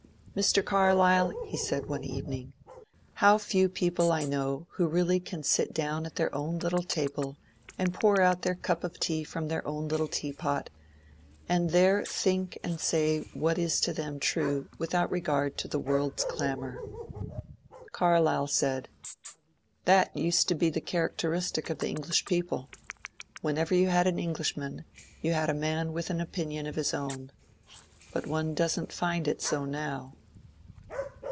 ^' Mr. Carlyle," he said one evening, ^^ how few people I know who really can sit down at their own little table and pour out their cup of tea from their own little tea pot, and there think and say what is to them true without regard to the world's clamour !" Carlyle said :^^ That used to be the characteristic of the English people : whenever you had an Englishman you had a man with an opinion of his own ; but one does n't find it so now."